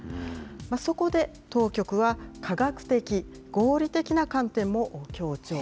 そこで当局は、科学的・合理的な観点も強調。